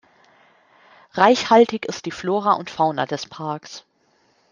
Reichhaltig ist die Flora und Fauna des Parks.